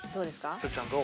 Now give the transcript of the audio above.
哲ちゃんどう？